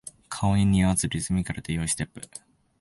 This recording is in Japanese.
顔に似合わずリズミカルで良いステップ